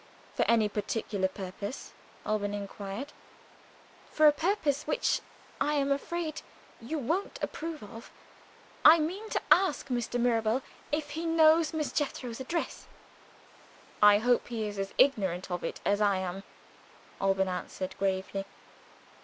"For any particular purpose?" Alban inquired "For a purpose which, I am afraid, you won't approve of. I mean to ask Mr. Mirabel if he knows Miss Jethro's address." "I hope he is as ignorant of it as I am," Alban answered gravely.